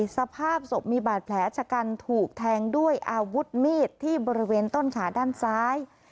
สภาพศพมีบาดแผลชะกันถูกแทงด้วยอาวุธมีดที่บริเวณต้นขาด้านซ้าย